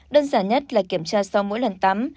đơn giản nhất là kiểm tra sau mỗi lần tắm